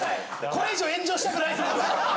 これ以上炎上したくないんですよ。